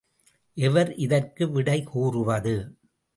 எவர் இதற்கு விடை கூறுவது?